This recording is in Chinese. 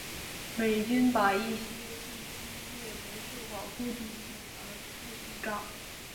美军把一些地区列为受保护地区而不轰炸。